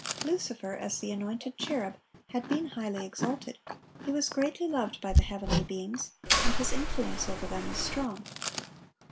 Lucifer, as the anointed cherub, had been highly exalted; he was greatly loved by the heavenly beings, and his influence over them was strong.